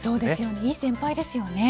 いい先輩ですよね。